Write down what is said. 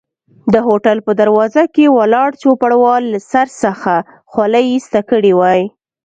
د هوټل په دروازه کې ولاړ چوپړوال له سر څخه خولۍ ایسته کړي وای.